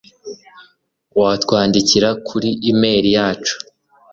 watwandikira kuri enail yacu